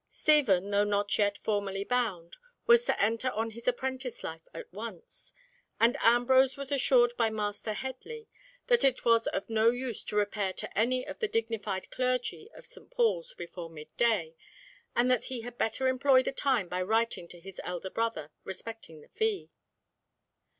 Stephen, though not yet formally bound, was to enter on his apprentice life at once; and Ambrose was assured by Master Headley that it was of no use to repair to any of the dignified clergy of St. Paul's before mid day, and that he had better employ the time in writing to his elder brother respecting the fee.